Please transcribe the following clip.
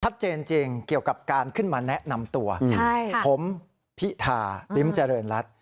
จริงเกี่ยวกับการขึ้นมาแนะนำตัวผมพิธาลิ้มเจริญรัฐ